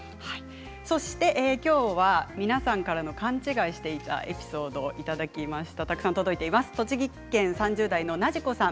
そして、きょうは皆さんからの勘違いしていたエピソードをいただきました。